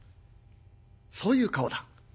そういう顔だ」。